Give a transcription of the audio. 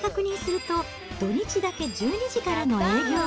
スマホで確認すると、土日だけ１２時からの営業。